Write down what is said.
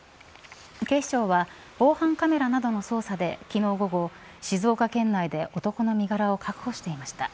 警視庁は防犯カメラなどの捜査で昨日午後、静岡県内で男の身柄を確保していました。